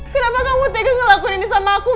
kenapa kamu tegas ngelakuin ini sama aku mas